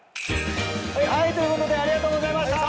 ということでありがとうございました！